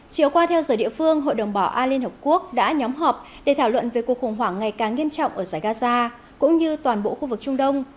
chiều qua theo giờ địa phương hội đồng bảo a lhq đã nhóm họp để thảo luận về cuộc khủng hoảng ngày càng nghiêm trọng ở giải gaza cũng như toàn bộ khu vực trung đông